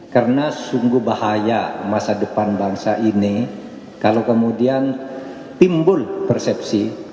karena sungguh bahaya masa depan bangsa ini kalau kemudian timbul persepsi